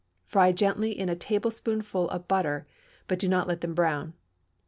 Fry gently in a tablespoonful of butter, but do not let them brown.